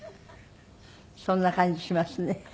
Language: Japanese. そんな感じしますね。